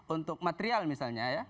untuk material misalnya